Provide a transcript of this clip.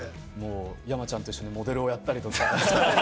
山ちゃんと一緒にモデルをやったりとか。